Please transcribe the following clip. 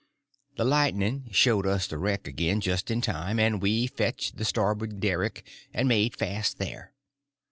The lightning showed us the wreck again just in time, and we fetched the stabboard derrick, and made fast there.